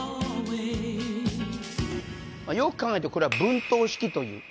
よく考えるとこれは分棟式という